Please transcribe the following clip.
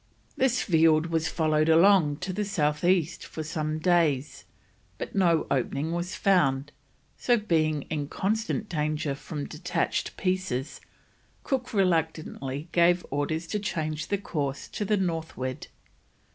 This field was followed along to the south east for some days, but no opening was found, so being in constant danger from detached pieces, Cook reluctantly gave orders to change the course to the northward.